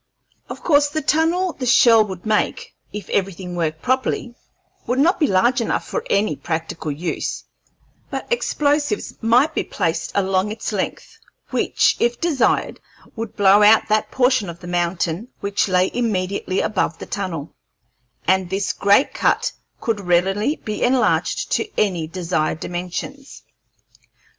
Of course the tunnel the shell would make, if everything worked properly, would not be large enough for any practical use; but explosives might be placed along its length, which, if desired, would blow out that portion of the mountain which lay immediately above the tunnel, and this great cut could readily be enlarged to any desired dimensions.